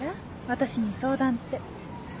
私に相談って。